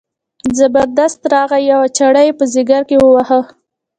زبردست راغی یوه چاړه یې په ځګر کې وواهه.